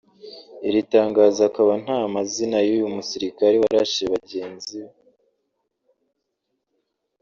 Iri tangazo akaba nta mazina y’uyu musirikali warashe bagenzi